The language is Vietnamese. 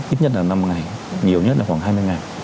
ít nhất là năm ngày nhiều nhất là khoảng hai mươi ngày